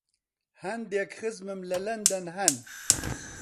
هەندێک خزمم لە لەندەن هەن.